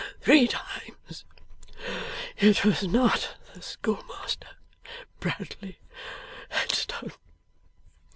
Three times; it was not the schoolmaster, Bradley Headstone.